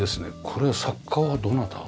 これは作家はどなた？